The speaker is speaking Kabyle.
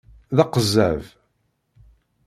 D aqezzab.